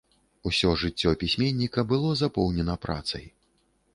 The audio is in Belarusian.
Усё жыццё пісьменніка было запоўнена працай.